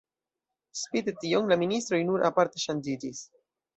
Spite tion la ministroj nur parte ŝanĝiĝis.